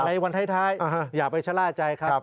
ในวันท้ายอย่าไปชะล่าใจครับ